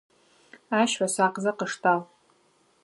Ащ фэсакъзэ къыштагъ.